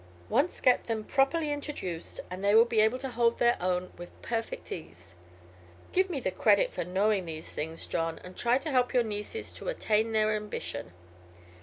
Once get them properly introduced and they will be able to hold their own with perfect ease. Give me the credit for knowing these things, John, and try to help your nieces to attain their ambition."